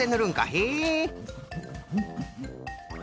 へえ。